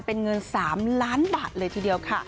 เป็นเงิน๓ล้านบาทเลยทีเดียวค่ะ